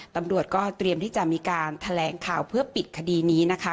ตำรวจก็เตรียมที่จะมีการแถลงข่าวเพื่อปิดคดีนี้นะคะ